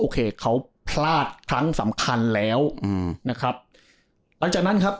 โคเขาพลาดครั้งสำคัญแล้วอืมนะครับหลังจากนั้นครับ